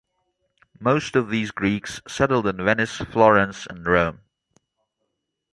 Most of these Greeks settled in Venice, Florence and Rome.